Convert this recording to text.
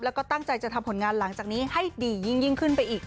แล้วก็ตั้งใจจะทำผลงานหลังจากนี้ให้ดียิ่งขึ้นไปอีก